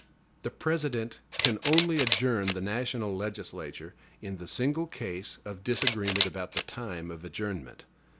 The President can only adjourn the national legislature in the single case of disagreement about the time of adjournment.